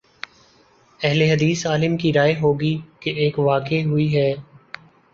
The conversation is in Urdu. اہل حدیث عالم کی رائے ہو گی کہ ایک واقع ہوئی ہے۔